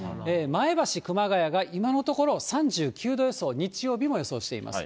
前橋、熊谷が今のところ３９度予想、東京も３６度。